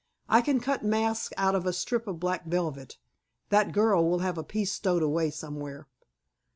I can cut masks out of a strip of black velvet. That girl will have a piece stowed away somewhere."